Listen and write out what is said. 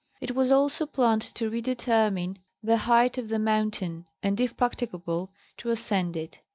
It was also planned to redetermine the height of the mountain, and, if practicable, to ascend it.